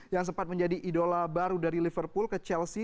yang sempat menjadi idola baru dari liverpool ke chelsea